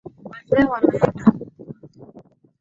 Wazee wameenda